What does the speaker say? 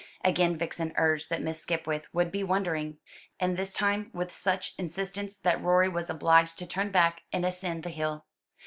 Again Vixen urged that Miss Skipwith would be wondering, and this time with such insistence, that Rorie was obliged to turn back and ascend the hill.